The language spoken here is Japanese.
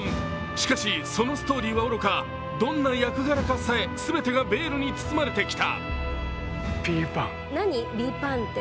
しかし、そのストーリーはおろか、どんな役柄かさえ全てがベールに包まれてきた。